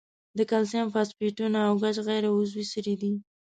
د کلسیم فاسفیټونه او ګچ غیر عضوي سرې دي.